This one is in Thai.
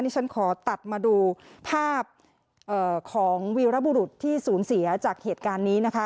ฉันขอตัดมาดูภาพของวีรบุรุษที่สูญเสียจากเหตุการณ์นี้นะคะ